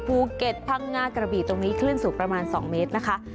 ภูเก็ตพังงากระบี่ตรงนี้คลื่นสูงประมาณ๒เมตรนะคะ